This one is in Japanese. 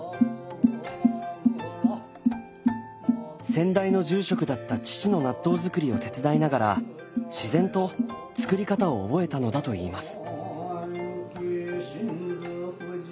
先代の住職だった父の納豆造りを手伝いながら自然と造り方を覚えたのだといいます。